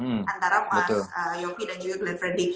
antara mas yopi dan juga glenn friendly